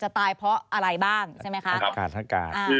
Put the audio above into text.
จะตายเพราะอะไรบ้างใช่ไหมคะทางสารอาหาร